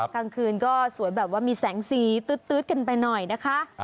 กลางคืนก็สวยแบบว่ามีแสงสีตื๊ดกันไปหน่อยนะคะ